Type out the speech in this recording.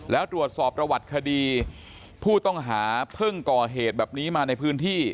แล้วตรวจสอบประวัติคดีผู้ต้องหาเพิ่งก่อเหตุแบบนี้มาในพื้นที่